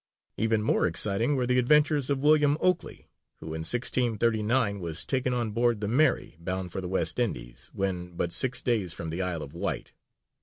Even more exciting were the adventures of William Okeley, who in 1639 was taken on board the Mary bound for the West Indies, when but six days from the Isle of Wight.